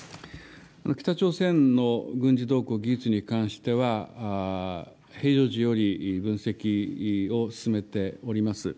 北朝鮮の軍事動向、技術に関しては、平常時より分析を進めております。